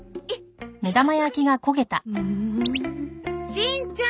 しんちゃん。